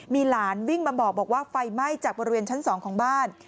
มีหลานวิ่งมาบอกว่าไฟไหม้จากบริเวณชั้น๒ของบ้าน